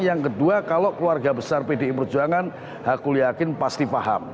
yang kedua kalau keluarga besar pdi perjuangan aku yakin pasti paham